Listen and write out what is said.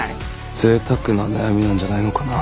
贅沢な悩みなんじゃないのかな。